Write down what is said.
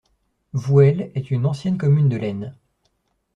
Vouël est une ancienne commune de l'Aisne.